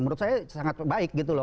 menurut saya sangat baik gitu loh